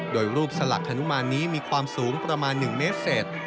โดยรูปสลักฮนุมานนี้มีความสูงประมาณ๑เมตรเศษ